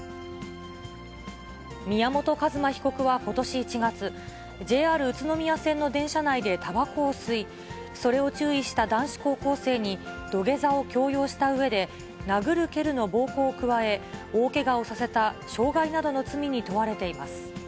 宮本一馬被告はことし１月、ＪＲ宇都宮線の電車内でたばこを吸い、それを注意した男子高校生に土下座を強要したうえで、殴る蹴るの暴行を加え、大けがをさせた傷害などの罪に問われています。